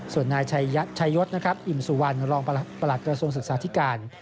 ส่วนนายชายศอิ่มสุวรรณรองประหลักกรสมศึกษาที่การ